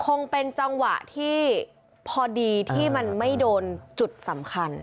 คงเป็นจังหวะที่พอดีที่มันไม่โดนจุดสำคัญ